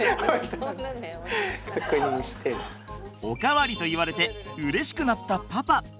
おかわりと言われてうれしくなったパパ。